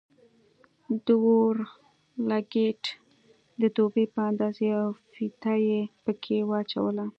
د اورلګيت د دبي په اندازه يوه فيته يې پکښې واچوله.